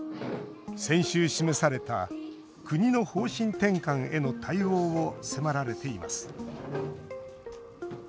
先週、示された国の方針転換への対応を迫られています。